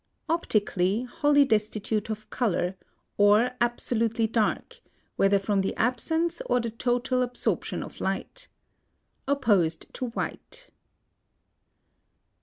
Optically, wholly destitute of color, or absolutely dark, whether from the absence or the total absorption of light. Opposed to white.